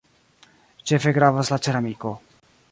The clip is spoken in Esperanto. Ĉefe gravas la ceramiko.